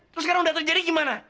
terus sekarang udah terjadi gimana